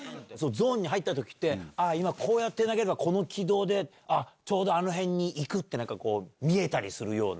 ゾーンに入ったときって、ああ、今、こうやって投げれば、この軌道で、あっ、ちょうどあの辺にいくって、なんか見えたりするような？